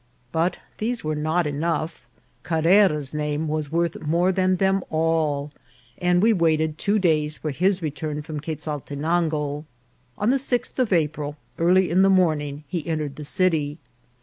But these were not enough ; Carrera's name was worth more than them all, and we waited two days for his return from Quezaltenango. On the sixth of April, early in the morning, he entered the city.